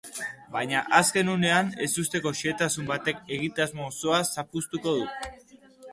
Baina azken unean ezusteko xehetasun batek egitasmo osoa zapuztuko du.